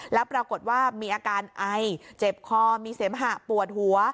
แล้วปรากฏว่ามีอาการไอเจ็บคอมีเสมหะปวดหัว